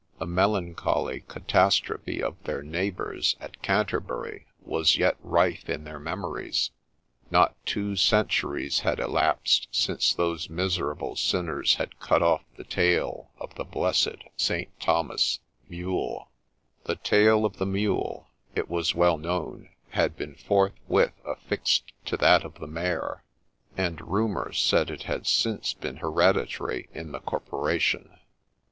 The melancholy catastrophe of their neighbours at Canterbury was yet rife hi their memories : not two centuries had elapsed since those miserable sinners had cut off the tail of the blessed St. Thomas's mule. The tail of the mule, it was well known, had been forthwith affixed to that of the Mayor ; and rumour said it had since been hereditary in the corporation.